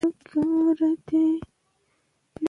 په افغانستان کې تالابونه د خلکو لپاره ډېر اهمیت لري.